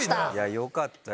よかったよ。